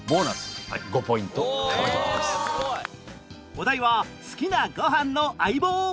お題は好きなご飯の相棒